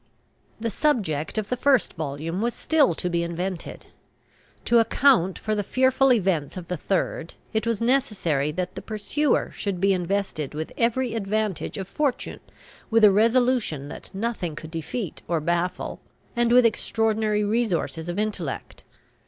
The subject of the first volume was still to be invented. To account for the fearful events of the third, it was necessary that the pursuer should be invested with every advantage of fortune, with a resolution that nothing could defeat or baffle, and with extraordinary resources of intellect.